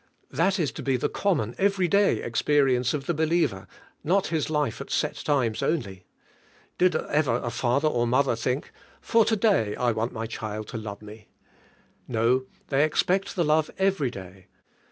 That is to be the common, every day experience of the believer, not his life at set times only. Did ever a father or mother think, "For to day I want my child to love me?" No, they expect the love every day.